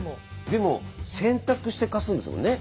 でも洗濯して貸すんですもんね。